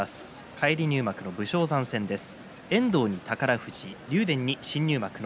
返り入幕の武将山戦です。